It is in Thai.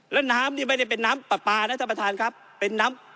แล้วน้ำนี่ไม่ได้เป็นน้ำปลาปลานะท่านประธานครับเป็นน้ำ